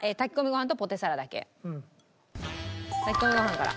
炊き込みご飯から。